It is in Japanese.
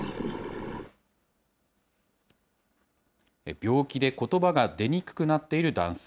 病気でことばが出にくくなっている男性。